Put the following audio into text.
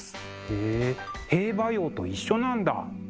へえ「兵馬俑」と一緒なんだ。